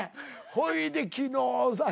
ほいで昨日。